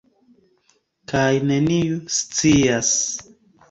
Kaj neniu scias.